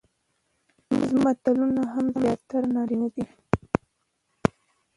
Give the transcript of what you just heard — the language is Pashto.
زموږ متلونه هم زياتره نارينه دي،